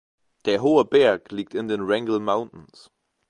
Der hohe Berg liegt in den Wrangell Mountains.